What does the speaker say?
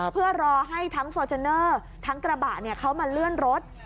เพื่อรอให้ทั้งฟอร์จูเนอร์ทั้งกระบะเขามาเลื่อนรถ